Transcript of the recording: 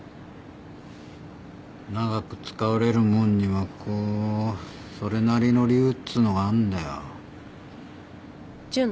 長く使われるもんにはこうそれなりの理由っつうのがあんだよ。